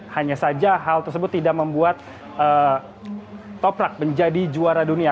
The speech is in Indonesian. hanya saja hal tersebut tidak membuat toprak menjadi juara dunia